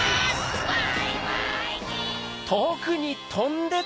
バイバイキン！